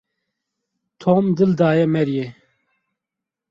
Tom dil daye Maryê.